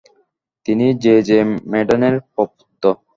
তিনি জ়ে জ়ে ম্যাডানের প্রপৌত্র।